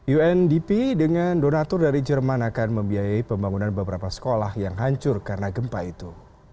undp dengan donatur dari jerman akan membiayai pembangunan beberapa sekolah yang hancur karena gempa itu